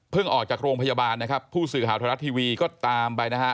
เพิ่งออกจากโรงพยาบาลนะครับผู้สื่อหาวทรัศน์ทีวีก็ตามไปนะฮะ